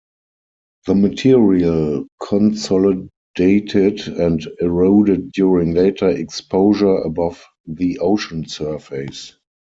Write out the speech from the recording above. The material consolidated and eroded during later exposure above the ocean surface.